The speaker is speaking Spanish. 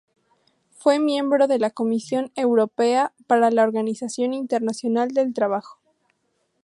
Fue miembro de la Comisión Europea para la Organización Internacional del Trabajo.